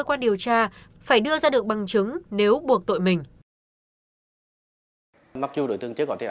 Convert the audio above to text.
cơ quan điều tra phải đưa ra được bằng chứng nếu buộc tội mình mặc dù đối tượng chưa có thể